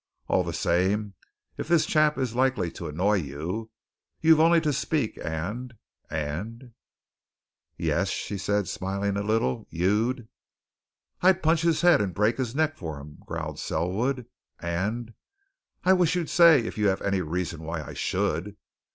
All the same, if this chap is likely to annoy you, you've only to speak and and " "Yes?" she said, smiling a little. "You'd " "I'll punch his head and break his neck for him!" growled Selwood. "And and I wish you'd say if you have reasons why I should.